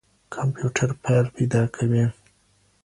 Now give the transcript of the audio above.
کمپيوټر فايل پيدا کوي.